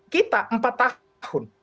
kita empat tahun